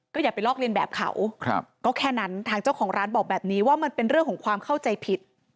อย่าไปลอกเรียนแบบเขาก็แค่นั้นทางเจ้าของร้านบอกแบบนี้ว่ามันเป็นเรื่องของความเข้าใจผิด